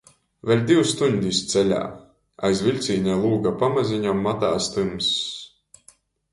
Vēļ div stuņdis ceļā, aiz viļcīņa lūga pamazeņam matās tymss.